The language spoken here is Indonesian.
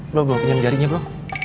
belum belum penyam jarinya bro